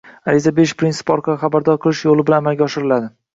ariza berish prinsipi orqali xabardor qilish yo‘li bilan amalga oshiriladi.